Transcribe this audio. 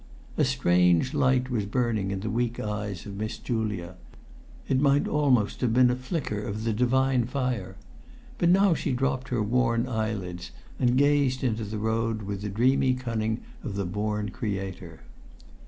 A strange light was burning in the weak eyes of Miss Julia. It might almost have been a flicker of the divine fire. But now she dropped her worn eyelids, and gazed into the road with the dreamy cunning of the born creator.